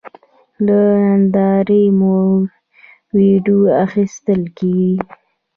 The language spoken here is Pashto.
له نندارې مو وېډیو اخیستل کېدې.